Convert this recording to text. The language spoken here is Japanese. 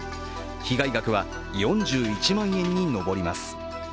被害額は４１万円に上ります。